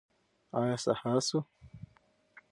ایا سهار شو؟